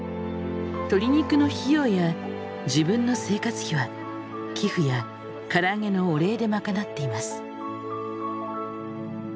鶏肉の費用や自分の生活費は寄付やからあげのお礼で賄っています。